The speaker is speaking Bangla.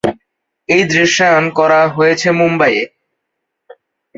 এর দৃশ্যায়ন করা হয়েছে মুম্বাইয়ে।